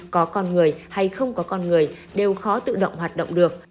có con người hay không có con người đều khó tự động hoạt động được